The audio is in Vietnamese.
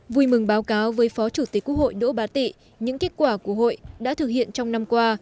vui mừng báo cáo với phó chủ tịch quốc hội đỗ bá tị những kết quả của hội đã thực hiện trong năm qua